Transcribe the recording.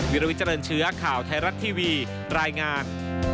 วิลวิเจริญเชื้อข่าวไทยรัฐทีวีรายงาน